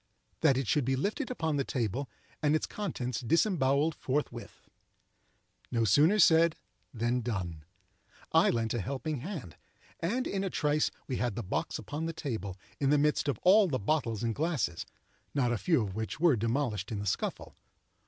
that it should be lifted upon the table and its contents disembowelled forthwith. No sooner said than done. I lent a helping hand; and, in a trice we had the box upon the table, in the midst of all the bottles and glasses, not a few of which were demolished in the scuffle.